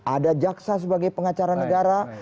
ada jaksa sebagai pengacara negara